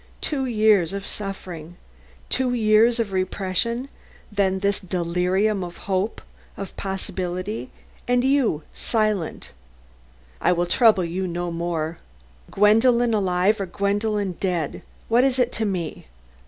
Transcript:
Two years of suffering! two years of repression, then this delirium of hope, of possibility, and you silent! I will trouble you no more. Gwendolen alive or Gwendolen dead, what is it to me!